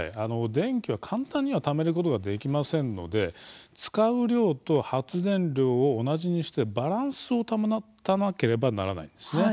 電気は簡単にはためることができませんので使う量と発電量を同じにしてバランスを保たなければならないんですね。